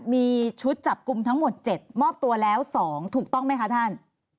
มีชุดจับกลุ่มทั้งหมด๗มอบตัวแล้ว๒ถูกต้องไหมคะท่าน